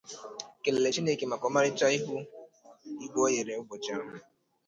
kelere Chineke maka ọmarịcha ihu ígwë o nyere ụbọchị ahụ